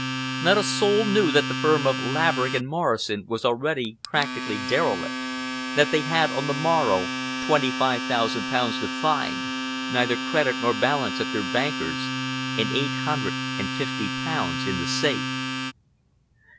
Not a soul knew that the firm of Laverick & Morrison was already practically derelict, that they had on the morrow twenty five thousand pounds to find, neither credit nor balance at their bankers, and eight hundred and fifty pounds in the safe.